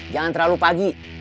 jangan terlalu pagi